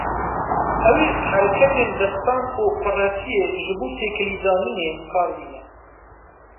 Ew ê hereketên destan û quretiyê ji bo têkilîdanînê bi kar bîne.